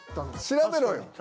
調べろよ。